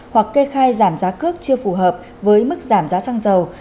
hoặc kê khai giảm giá cước chưa phù hợp với mức giảm giá xăng dầu